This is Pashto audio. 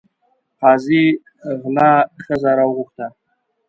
قاضي غله ښځه راوغوښته.